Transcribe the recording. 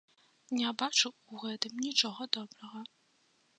Не бачу ў гэтым нічога добрага.